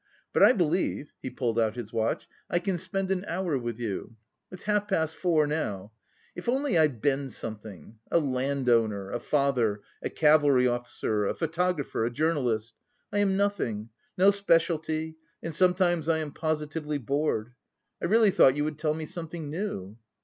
But I believe," he pulled out his watch, "I can spend an hour with you. It's half past four now. If only I'd been something, a landowner, a father, a cavalry officer, a photographer, a journalist... I am nothing, no specialty, and sometimes I am positively bored. I really thought you would tell me something new."